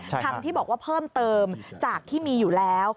คำที่บอกว่าเพิ่มเติมจากที่มีอยู่แล้ว